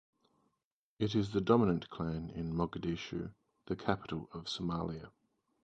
It is the dominant clan in Mogadishu, the capital of Somalia.